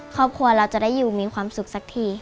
ครอบครัวเราจะได้อยู่มีความสุขสักที